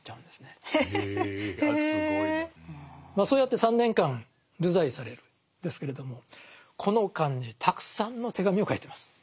そうやって３年間流罪されるんですけれどもこの間にたくさんの手紙を書いてます。